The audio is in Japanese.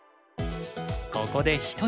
ここで一息。